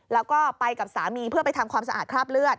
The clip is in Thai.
แล้วก็ไปกับสามีเพื่อไปทำความสะอาดคราบเลือด